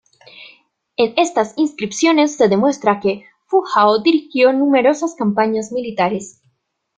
En estas inscripciones se demuestra que Fu Hao dirigió numerosas campañas militares.